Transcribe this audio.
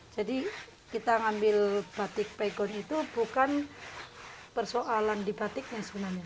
jadi kita mengambil batik pegon itu bukan persoalan di batiknya